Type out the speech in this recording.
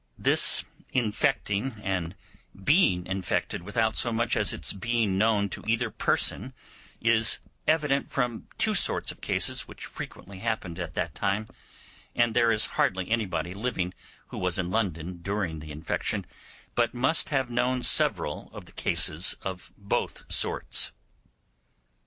This infecting and being infected without so much as its being known to either person is evident from two sorts of cases which frequently happened at that time; and there is hardly anybody living who was in London during the infection but must have known several of the cases of both sorts.